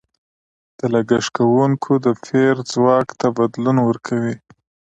د لګښت کوونکو د پېر ځواک ته بدلون ورکوي.